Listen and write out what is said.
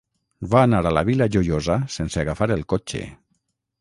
Va anar a la Vila Joiosa sense agafar el cotxe.